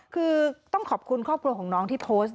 คือต้องขอบคุณครอบครัวของน้องที่โพสต์